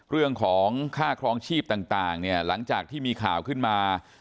เรื่องของค่าครองชีพต่างเนี่ยหลังจากที่มีข่าวขึ้นมา